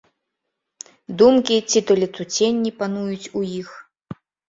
Думкі ці то летуценні пануюць у іх.